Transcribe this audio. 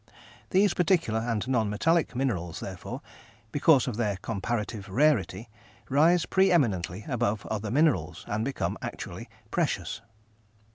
These particular and non metallic minerals, therefore, because of their comparative rarity, rise pre eminently above other minerals, and become actually "precious."